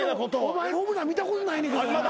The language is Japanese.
お前ホームラン見たことないねんけど。